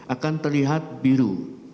akan terlihat biru